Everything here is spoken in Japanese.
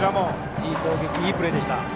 いい攻撃、いいプレーでした。